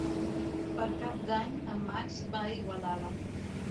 Per Cap d'Any en Max va a Igualada.